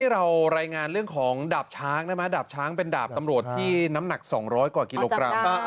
เรารายงานเรื่องของดาบช้างได้ไหมดาบช้างเป็นดาบตำรวจที่น้ำหนัก๒๐๐กว่ากิโลกรัม